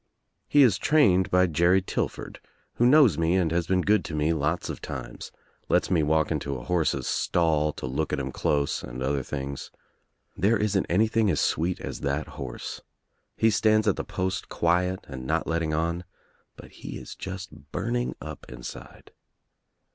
He is trained by Jerry Tillford who knows me and has been good to me lots of times, lets me walk into a horse's stall to look at him close and other things. There isn't anything as sweet as that horse. He stands at the post quiet and not letting on, hut he is just burning up inside.